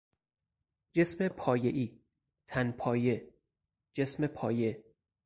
جسم پایهای، تنپایه، جسم پایه